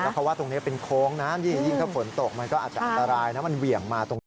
เพราะว่าตรงนี้เป็นโค้งนะยิ่งถ้าฝนตกมันก็อาจจะอันตรายนะมันเหวี่ยงมาตรงนี้